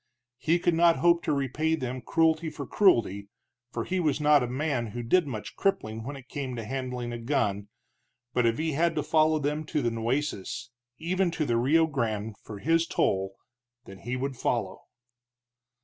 He could not hope to repay them cruelty for cruelty, for he was not a man who did much crippling when it came to handling a gun, but if he had to follow them to the Nueces, even to the Rio Grande, for his toll, then he would follow.